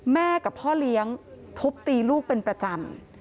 แม่กับพ่อเลี้ยงทุบตีลูกเป็นประจำ